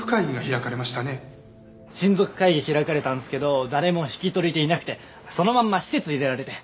親族会議開かれたんですけど誰も引き取り手いなくてそのまんま施設入れられて。